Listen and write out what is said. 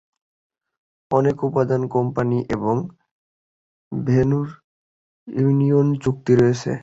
অনেক উৎপাদন কোম্পানি এবং ভেন্যুর ইউনিয়ন চুক্তি রয়েছে।